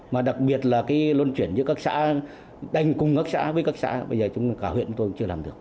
mà đặc biệt là cái luân chuyển giữa các xã đành cùng các xã với các xã bây giờ cả huyện chúng tôi cũng chưa làm được